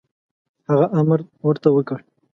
هغه امر ورته وکړ.